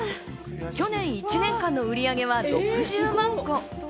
去年１年間の売上は６０万個。